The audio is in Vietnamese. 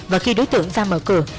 và khi đối tượng ra mở cửa